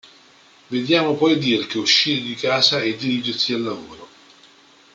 Vediamo poi Dirk uscire di casa e dirigersi al lavoro.